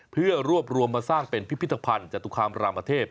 เพื่อรวบรวมมาสร้างเป็นพิพิธภัณฑ์จตุคามรามเทพ